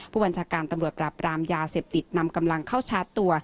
ผู้บัญชาการตำรวจปราบรามยาเสพติดนำกำลังเข้าชาร์จตัว